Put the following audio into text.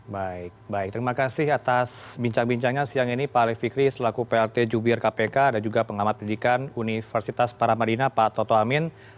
baik baik terima kasih atas bincang bincangnya siang ini pak alif fikri selaku plt jubir kpk dan juga pengamat pendidikan universitas paramadina pak toto amin